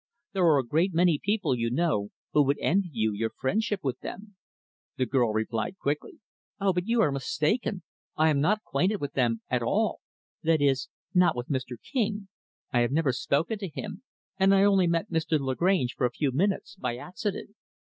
There are a great many people, you know, who would envy you your friendship with them." The girl replied quickly, "O, but you are mistaken. I am not acquainted with them, at all; that is not with Mr. King I have never spoken to him and I only met Mr. Lagrange, for a few minutes, by accident."